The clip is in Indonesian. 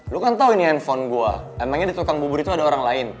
lu kan tahu ini handphone gue emangnya di tukang bubur itu ada orang lain